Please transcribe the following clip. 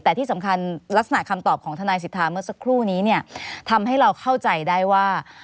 แต่ที่สำคัญลักษณะคำตอบของทนายสิทธาเมื่อสักครู่นี้เนี่ยทำให้เราเข้าใจได้ว่า